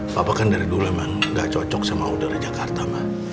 papa kan dari dulu emang gak cocok sama udara jakarta mbak